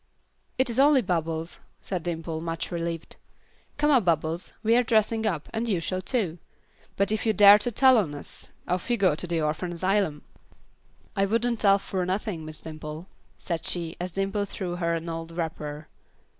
"It is only Bubbles," said Dimple, much relieved. "Come up, Bubbles; we are dressing up, and you shall too; but if you dare to tell on us off you go to the orphan asylum." "I wouldn't tell fur nothin', Miss Dimple," said she, as Dimple threw her an old wrapper.